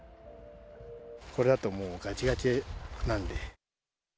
これだともうがちがちなんで。